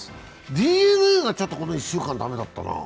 ＤｅＮＡがこの１週間、駄目だったな。